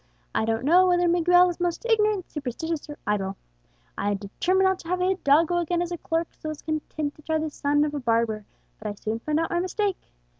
I don't know whether Miguel is most ignorant, superstitious, or idle. I had determined not to have a hidalgo again as a clerk, so was content to try the son of a barber; but I soon found out my mistake.